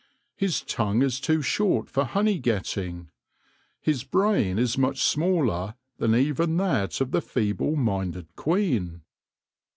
His tongue is too short for honey getting. His brain is much smaller than even that of the feeble minded queen.